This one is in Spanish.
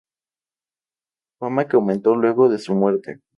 Fama que aumentó luego de su muerte.